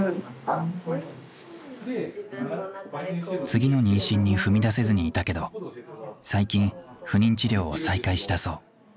次の妊娠に踏み出せずにいたけど最近不妊治療を再開したそう。